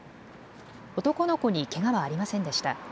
男の子にけがはありませんでした。